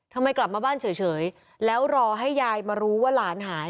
ทำไมกลับมาบ้านเฉยแล้วรอให้ยายมารู้ว่าหลานหาย